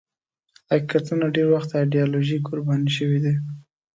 حقیقتونه ډېر وخت د ایدیالوژۍ قرباني شوي دي.